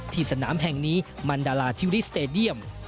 สนามแห่งนี้มันดาราทิวริสเตดียม